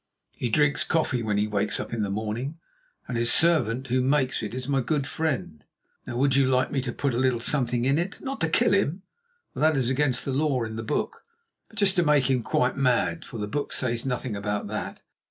He drinks coffee when he wakes up in the morning, and his servant, who makes it, is my good friend. Now would you like me to put a little something into it? Not to kill him, for that is against the law in the Book, but just to make him quite mad, for the Book says nothing about that.